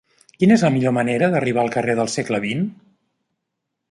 Quina és la millor manera d'arribar al carrer del Segle XX?